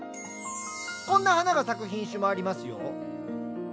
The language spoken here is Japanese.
こんな花が咲く品種もありますよ。